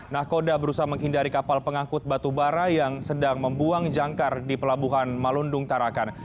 nakoda berusaha menghindari kapal pengangkut batu bara yang sedang membuang jangkar di pelabuhan malundung tarakan